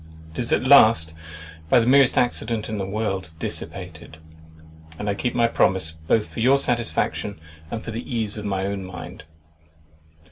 It is at last (by the merest accident in the world) dissipated; and I keep my promise, both for your satisfaction, and for the ease of my own mind.